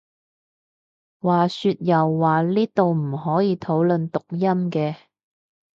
話說又話呢度唔可以討論讀音嘅？